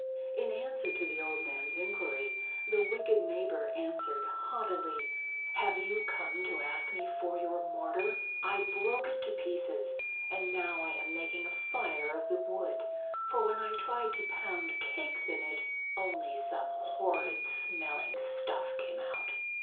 In answer to the old man's inquiry, the wicked neighbor answered haughtily: "Have you come to ask me for your mortar? I broke it to pieces, and now I am making a fire of the wood, for when I tried to pound cakes in it only some horrid smelling stuff came out."